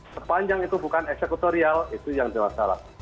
sepanjang itu bukan eksekutorial itu yang dia masalahkan